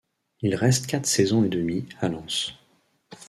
Il reste quatre saisons et demies à Lens.